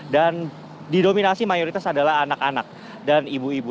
dan didominasi mayoritas adalah anak anak dan ibu ibu